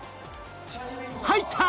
入った！